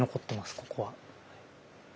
ここは。